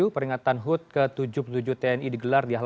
peringatan hud ke tujuh puluh tujuh tni digelar di halaman